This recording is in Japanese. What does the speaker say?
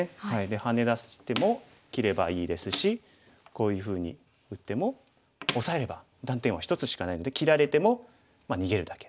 ハネ出しても切ればいいですしこういうふうに打ってもオサえれば断点は１つしかないので切られても逃げるだけ。